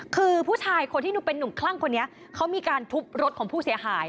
คือผู้ชายคนที่ดูเป็นนุ่มคลั่งคนนี้เขามีการทุบรถของผู้เสียหาย